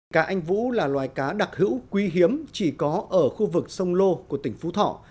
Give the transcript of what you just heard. cá anh vũ là loài cá đặc hữu quý hiếm chỉ có ở khu vực sông lô của tỉnh phú thọ